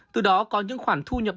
từ đó có những khoản thu nhập đồng